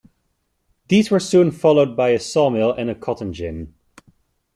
These were soon followed by a sawmill and cotton gin.